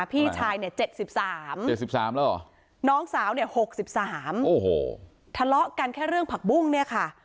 พี่ชายเนี่ย๗๓น้องสาวเนี่ย๖๓ทะเลาะกันแค่เรื่องผักบุ้งเนี่ยค่ะ